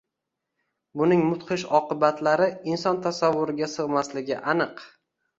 Buning mudhish oqibatlari inson tasavvuriga sig‘masligi aniq